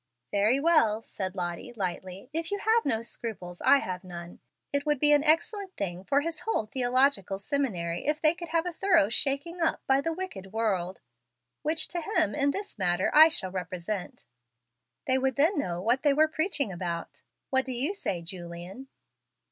"Very well," said Lottie, lightly; "if you have no scruples, I have none. It will be capital sport, and will do him good. It would be an excellent thing for his whole theological seminary if they could have a thorough shaking up by the wicked world, which to him, in this matter, I shall represent. They would then know what they were preaching about. What do you say, Julian?"